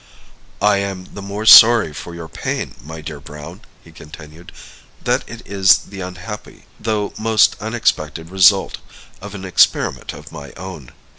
"I am the more sorry for your pain, my dear Browne," he continued, "that it is the unhappy, though most unexpected, result of an experiment of my own.